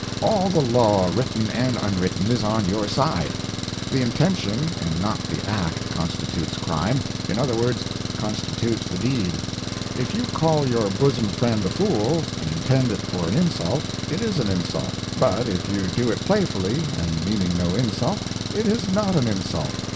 All the law, written and unwritten, is on your side. The intention and not the act constitutes crime in other words, constitutes the deed. If you call your bosom friend a fool, and intend it for an insult, it is an insult; but if you do it playfully, and meaning no insult, it is not an insult.